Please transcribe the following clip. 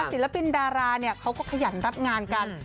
ศิลปินดาราเนี่ยเขาก็ขยันรับงานกัน